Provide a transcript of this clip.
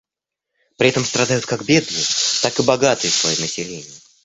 При этом страдают как бедные, так и богатые слои населения.